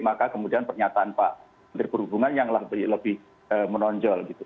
maka kemudian pernyataan pak menteri perhubungan yang lebih menonjol gitu